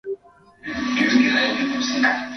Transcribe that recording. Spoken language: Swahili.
Leo hajiskii kuja.